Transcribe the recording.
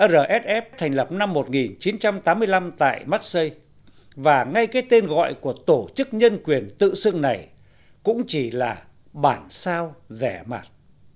rsf thành lập năm một nghìn chín trăm tám mươi năm tại maxi và ngay cái tên gọi của tổ chức nhân quyền tự xưng này cũng chỉ là bản sao rẻ mạt